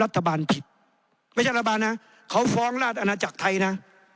รัฐบาลผิดไม่ใช่รัฐบาลนะเขาฟ้องราชอาณาจักรไทยนะ